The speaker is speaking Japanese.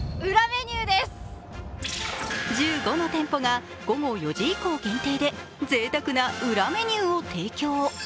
１５の店舗が午後４時以降限定でぜいたくな裏メニューを提供。